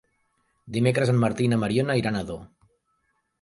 Dimecres en Martí i na Mariona iran a Ador.